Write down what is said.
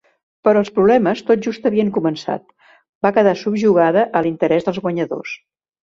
Però els problemes tot just havien començat: va quedar subjugada a l'interès dels guanyadors.